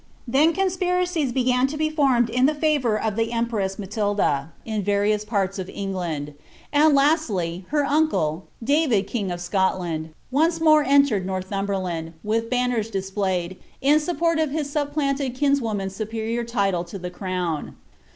Then conspiracies began to be formed in favour of the empress Matilda, in various parts of England; and lastly, her uncle, David king of Scotland, once more entered Northumberland, with ban ners displayed, in support of his supplanted kinswoman's superior title to the crown.